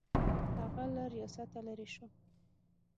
هغه له ریاسته لیرې شو.